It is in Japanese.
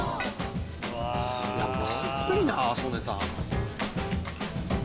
・やっぱすごいな曽根さん。